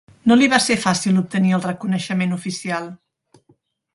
No li va ser fàcil obtenir el reconeixement oficial.